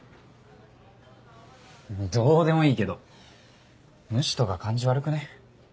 どうでもいいけど無視とか感じ悪くね？